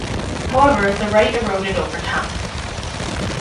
However, the right eroded over time.